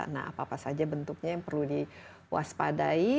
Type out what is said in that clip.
nah apa apa saja bentuknya yang perlu diwaspadai